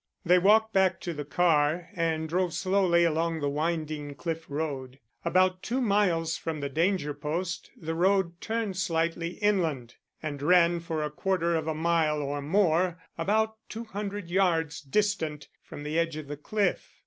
They walked back to the car and drove slowly along the winding cliff road. About two miles from the danger post the road turned slightly inland, and ran for a quarter of a mile or more about two hundred yards distant from the edge of the cliff.